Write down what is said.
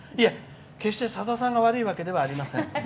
決して、さださんが悪いわけではありません。